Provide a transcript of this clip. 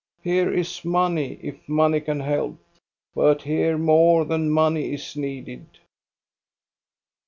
Here is money, if money can help, but here more than money is needed."